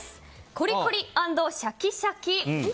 コリコリ＆シャキシャキ。